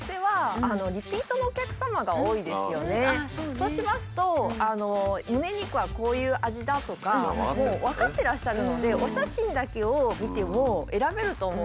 そうしますとむね肉はこういう味だとかもう分かってらっしゃるのでお写真だけを見ても選べると思うんですよね。